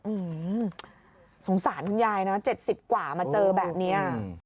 อืมสงสารคุณยายนะ๗๐กว่ามาเจอแบบนี้